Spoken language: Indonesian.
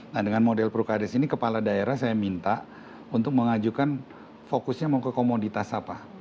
nah dengan model prukades ini kepala daerah saya minta untuk mengajukan fokusnya mau ke komoditas apa